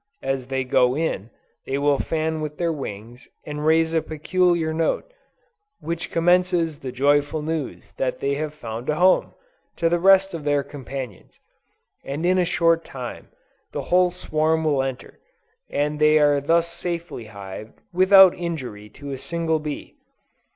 As they go in, they will fan with their wings, and raise a peculiar note, which communicates the joyful news that they have found a home, to the rest of their companions; and in a short time, the whole swarm will enter, and they are thus safely hived, without injury to a single bee.